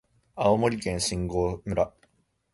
青森県新郷村